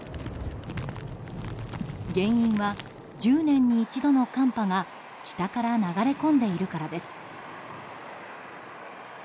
原因は１０年に一度の寒波が北から流れ込んでいるからです。